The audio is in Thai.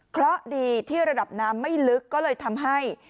เพราะดีที่ระดับน้ำไม่ลึกก็เลยทำให้